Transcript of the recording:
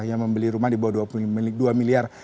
yang membeli rumah di bawah dua miliar